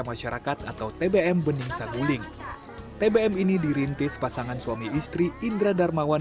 masyarakat atau tbm bening saguling tbm ini dirintis pasangan suami istri indra darmawan